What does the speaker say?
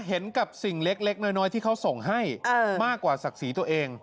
เห็นกับสิ่งเล็กน้อยที่เขาส่งให้มากกว่าศักดิ์ศรีตัวเอง